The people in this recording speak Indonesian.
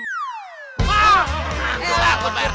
hah gak takut pak rt